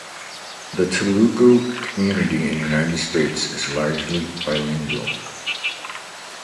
The Telugu community in the United States is largely bilingual.